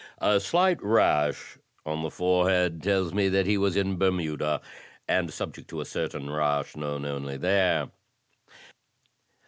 A slight rash on the forehead tells me that he was in Bermuda, and subject to a certain rash known only there."